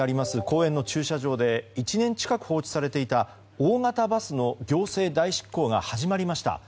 公園の駐車場で１年近く放置されていた大型バスの行政代執行が始まりました。